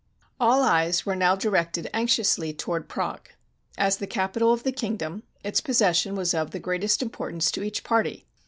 ] All eyes were now directed anxiously toward Prague. As the capital of the kingdom, its possession was of the greatest importance to each party.